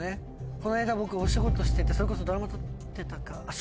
この間僕お仕事しててそれこそドラマ撮ってた。